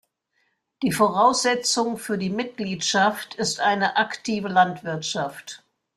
Die Voraussetzung für die Mitgliedschaft ist eine aktive Landwirtschaft.